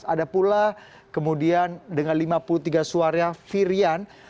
ada pula kemudian dengan lima puluh tiga suara firian